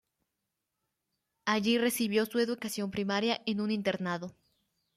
Allí recibió su educación primaria en un internado.